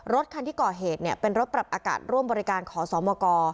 รถคันที่ก่อเหตุเป็นรถปรับอากาศร่วมบริการขอสมก